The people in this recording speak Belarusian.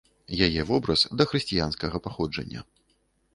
Яе вобраз дахрысціянскага паходжання.